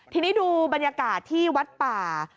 ทีนี้ดูบรรยากาศที่วัดป่า